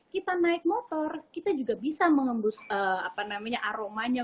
kita naik motor kita juga bisa mengembus aromanya